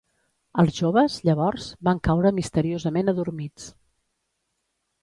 Els joves, llavors, van caure misteriosament adormits.